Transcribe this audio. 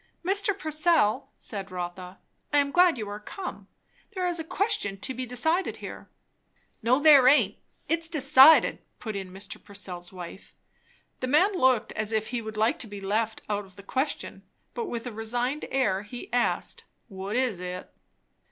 "Mr. Purcell," said Rotha, "I am glad you are come; there is a question to be decided here." "No there aint; it's decided," put in Mr. Purcell's wife. The man looked as if he would like to be left out of the question; but with a resigned air he asked, "What is it?"